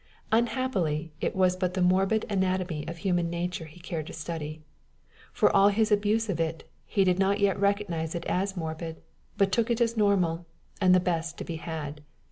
Unhappily, it was but the morbid anatomy of human nature he cared to study. For all his abuse of it, he did not yet recognize it as morbid, but took it as normal, and the best to be had.